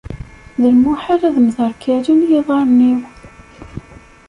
D lmuḥal ad mderkalen yiḍarren-iw.